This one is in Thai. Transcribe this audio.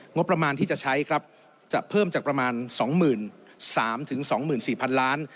งบประมาณที่จะใช้ครับจะเพิ่มจากประมาณ๒๓๒๔๐๐๐ล้าน